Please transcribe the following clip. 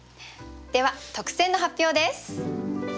では特選の発表です。